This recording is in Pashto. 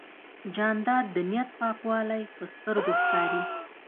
جانداد د نیت پاکوالی په سترګو ښکاري.